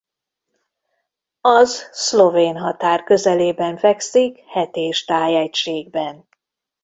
Az szlovén határ közelében fekszik Hetés tájegységben.